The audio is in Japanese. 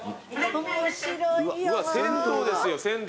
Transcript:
うわ銭湯ですよ銭湯。